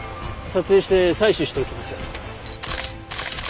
撮影して採取しておきます。